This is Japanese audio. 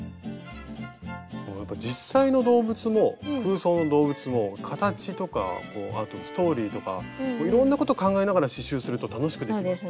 やっぱ実際の動物も空想の動物も形とかあとストーリーとかいろんなこと考えながら刺しゅうすると楽しくできます。